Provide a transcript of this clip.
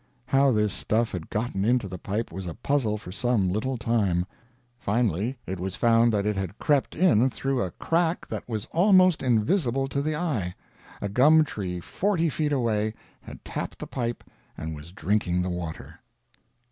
How this stuff had gotten into the pipe was a puzzle for some little time; finally it was found that it had crept in through a crack that was almost invisible to the eye. A gum tree forty feet away had tapped the pipe and was drinking the water.